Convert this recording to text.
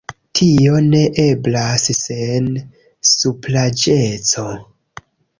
Tio ne eblas sen supraĵeco.